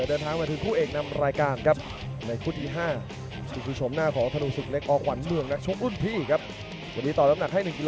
เดี๋ยวทั้งคู่ครับหมดยกแรกครับ